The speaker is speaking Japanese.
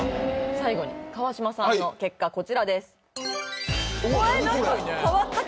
最後に川島さんの結果こちらです変わった形！